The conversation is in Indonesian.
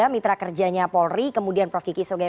mitra kerjanya polri kemudian prof kiki soegai